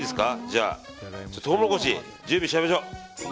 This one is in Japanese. じゃあ、トウモロコシ準備しちゃいましょう。